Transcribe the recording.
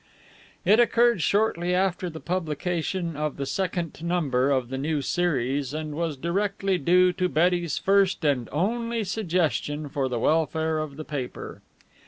It occurred shortly after the publication of the second number of the new series, and was directly due to Betty's first and only suggestion for the welfare of the paper.